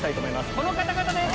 この方々です！